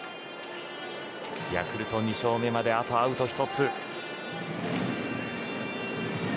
ヤクルト２勝目まであとアウト１つ。